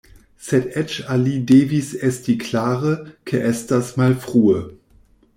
Sed eĉ al li devis esti klare, ke estas malfrue.